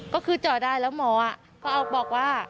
ก็คือเจาะได้แล้วหมอก็บอกว่า